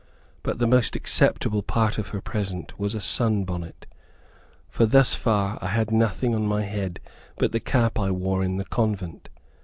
But the most acceptable part of her present was a sun bonnet; for thus far I had nothing on my head but the cap I wore in the convent.